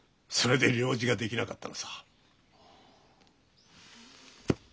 それで療治ができなかったのさ。